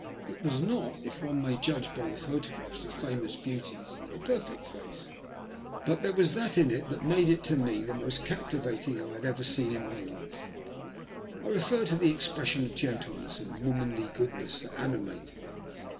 It was not, if one may judge by the photographs of famous beauties, a perfect face, but there was that in it that made it to me the most captivating I had ever seen in my life — I refer to the expression of gentleness and womanly goodness that animated it.